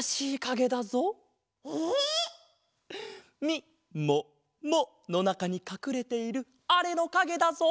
みもものなかにかくれているあれのかげだぞ！